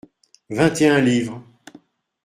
Vingt et un livres.